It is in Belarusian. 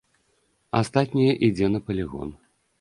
Астатняе ідзе на палігон.